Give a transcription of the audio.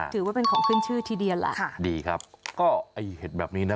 ถือว่าเป็นของขึ้นชื่อทีเดียวล่ะค่ะดีครับก็ไอ้เห็ดแบบนี้นะ